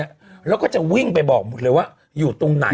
แล้วก็จะวิ่งไปบอกหมดเลยว่าอยู่ตรงไหน